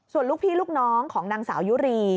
ส่วนลูกพี่ลูกน้องของนางสาวยุรี